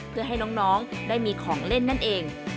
เพื่อให้น้องได้มีของเล่นนั่นเอง